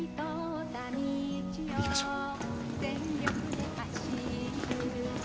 行きましょう。